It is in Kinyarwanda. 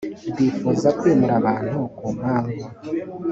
rwifuza kwimura abantu ku mpamvu